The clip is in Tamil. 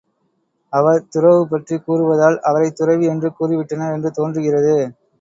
அவர் துறவு பற்றிக் கூறுவதால் அவரைத் துறவி என்று கூறிவிட்டனர் என்று தோன்றுகிறது.